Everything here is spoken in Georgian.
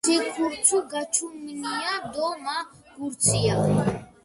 სი ქურცუ გაჩამუნია დო მა გურცია.